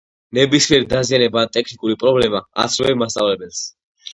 ნებისმიერი დაზიანება ან ტექნიკური პრობლემა აცნობე მასწავლებელს.